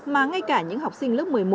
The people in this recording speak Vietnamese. mà ngay cả những học sinh lớp một mươi một